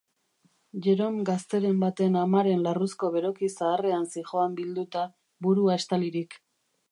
Jerome gazteren baten amaren larruzko beroki zaharrean zihoan bilduta, burua estalirik.